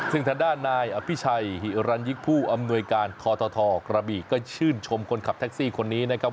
ซึ่งทางด้านนายอภิชัยฮิรันยิกผู้อำนวยการททกระบีก็ชื่นชมคนขับแท็กซี่คนนี้นะครับ